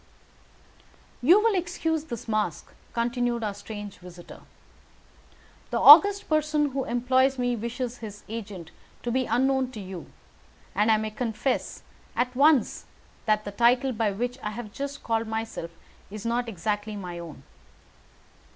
"You will excuse this mask," continued our strange visitor. "The august person who employs me wishes his agent to be unknown to you, and I may confess at once that the title by which I have just called myself is not exactly my own."